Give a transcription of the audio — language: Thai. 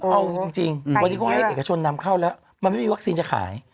เอาจริงวันนี้เขาให้เอกชนนำเข้าแล้วมันไม่มีวัคซีนจะขาย